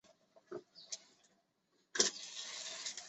尾柄处在纵带上方形成一黄色斑。